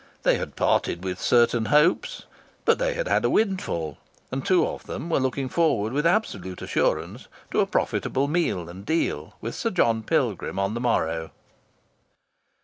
They had parted with certain hopes, but they had had a windfall; and two of them were looking forward with absolute assurance to a profitable meal and deal with Sir John Pilgrim on the morrow.